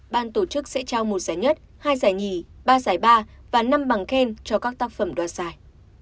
ban tổ chức sẽ trao một giải nhất hai giải nhì ba giải ba và năm bằng khen cho các tác phẩm đoạt giải